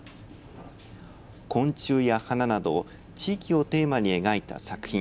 昆虫や花など地域をテーマに描いた作品。